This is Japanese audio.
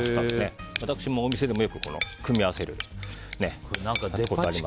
私もお店でよく組み合わせます。